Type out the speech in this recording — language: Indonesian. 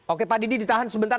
oke pak didi ditahan sebentar